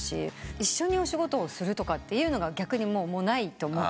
一緒にお仕事をするとかっていうのが逆にもうないと思っていたので。